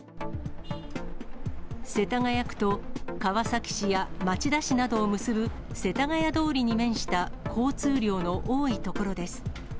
世田谷区と川崎市や町田市などを結ぶ世田谷通りに面した交通量の多い所です。